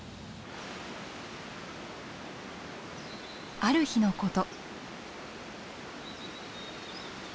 ある日のこと。